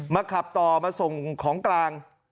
ขับต่อมาส่งของกลาง